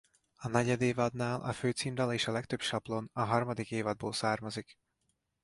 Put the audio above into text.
A negyed évadnál a főcímdal és a legtöbb sablon a harmadik évadból származik.